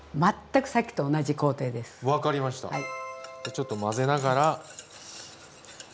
ちょっと混ぜながら。